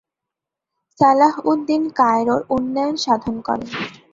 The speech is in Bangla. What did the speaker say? সালাহউদ্দিন কায়রোর উন্নয়ন সাধন করেন।